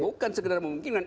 bukan sekedar memungkinkan